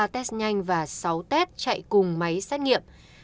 ba mươi ba test nhanh và sáu test chạy cùng máy xét nghiệm